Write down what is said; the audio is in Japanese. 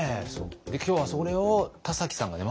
今日はそれを田崎さんがね